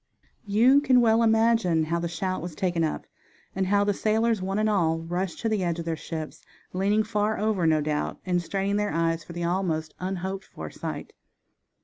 You can well imagine how the shout was taken up, and how the sailors, one and all, rushed to the edge of their ships, leaning far over, no doubt, and straining their eyes for the almost unhoped for sight.